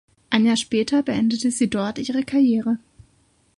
Ein Jahr später beendete sie dort ihre Karriere.